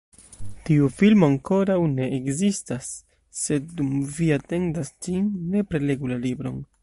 Tiu filmo ankoraŭ ne ekzistas, sed dum vi atendas ĝin, nepre legu la libron!